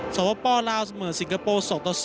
สวพบอลลาวสเมอร์สิงคโปร์๒๒